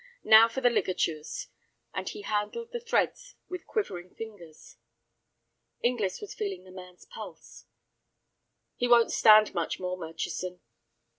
Now for the ligatures," and he handled the threads with quivering fingers. Inglis was feeling the man's pulse. "He won't stand much more, Murchison."